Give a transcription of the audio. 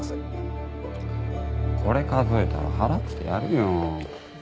これ数えたら払ってやるよ。